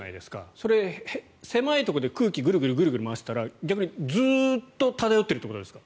それは狭いところで空気をグルグル回していたら逆にずっと漂っているということですか。